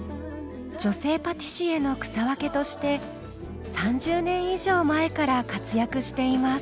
女性パティシエの草分けとして３０年以上前から活躍しています。